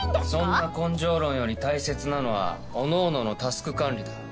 そんな根性論より大切なのはおのおののタスク管理だ。